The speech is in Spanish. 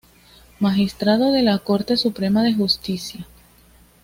Magistrado de la Corte Suprema de Justicia.